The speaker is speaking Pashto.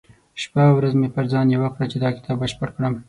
شپه او ورځ مې پر ځان يوه کړه چې دا کتاب بشپړ کړم.